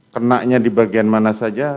kenanya di bagian mana saja